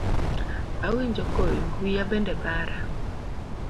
Awinjo koyo, wiya bende bara.